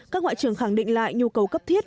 các ngoại trưởng khẳng định lại nhu cầu cấp thiết